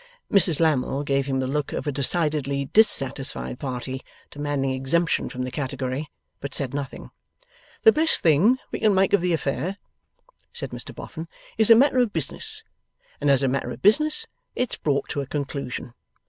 Mrs Lammle gave him the look of a decidedly dissatisfied party demanding exemption from the category; but said nothing. 'The best thing we can make of the affair,' said Mr Boffin, 'is a matter of business, and as a matter of business it's brought to a conclusion.